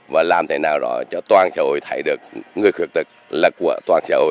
và làm thế nào đó cho toàn xã hội thấy được người khuyết tật là của toàn xã hội